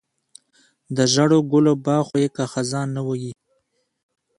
د ژړو ګلو باغ خو یې که خزان نه وي.